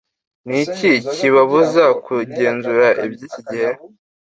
ni iki kibabuza kugenzura ibyiki gihe